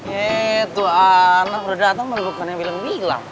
hei tuhan udah datang tapi bukannya bilang bilang